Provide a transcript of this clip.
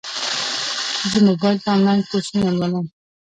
زه موبایل ته انلاین کورسونه لولم.